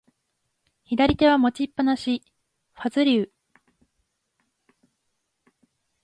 左手は持ちっぱなし、ファズリウ。